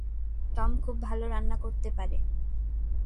Tom খুব ভালো রান্না করতে পারে।